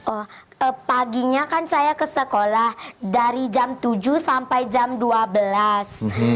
oh paginya kan saya ke sekolah dari jam tujuh sampai jam dua belas